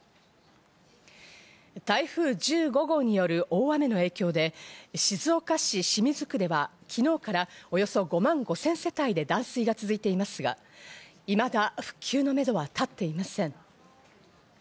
台風１５号による大雨の影響で静岡市清水区では、昨日からおよそ５万５０００世帯で断水が続いていますが、いまだ復旧のめどは立っていません。